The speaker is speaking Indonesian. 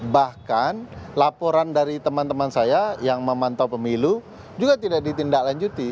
bahkan laporan dari teman teman saya yang memantau pemilu juga tidak ditindaklanjuti